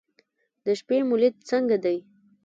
د شپې مو لید څنګه دی؟